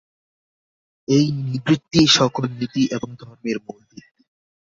এই নিবৃত্তিই সকল নীতি এবং ধর্মের মূল ভিত্তি।